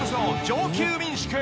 上級民宿。